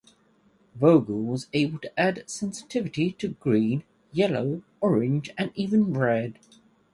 Vogel was able to add sensitivity to green, yellow, orange and even red.